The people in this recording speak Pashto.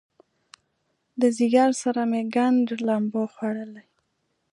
د ځیګر سره مې ګنډ لمبو خوړلی